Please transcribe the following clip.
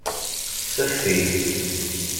Seffi.